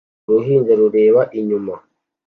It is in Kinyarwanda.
Uruhinja rureba icyuma